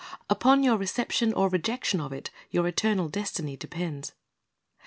Upon your reception or rejection of it your eternal destiny depends.